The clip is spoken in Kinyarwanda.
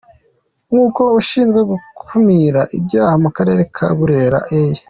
Nk’uko ushinzwe gukumira ibyaha mu karere ka Burera A.